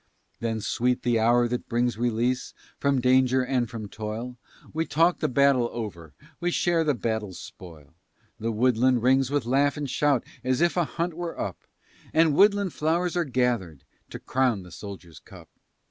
Then sweet the hour that brings release From danger and from toil; We talk the battle over, We share the battle's spoil. The woodland rings with laugh and shout, As if a hunt were up, And woodland flowers are gathered To crown the soldier's cup.